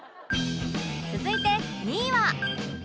続いて２位は